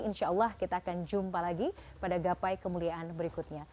insya allah kita akan jumpa lagi pada gapai kemuliaan berikutnya